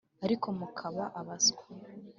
Ariko mukaba abaswa